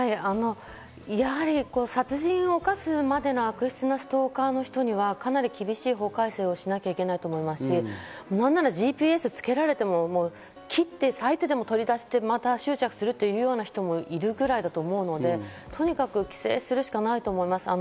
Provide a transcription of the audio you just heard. やはり殺人を犯すまでの悪質なストーカーの人には、かなり厳しい法改正をしなきゃいけないと思いますし、何ならＧＰＳつけられても切ってさいてでも取り出して、また執着するというような人もいるぐらいだと思うので、とにかく規制するしかないと思います。